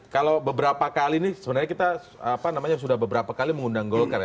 kalau beberapa kali ini sebenarnya kita sudah beberapa kali mengundang golkar ya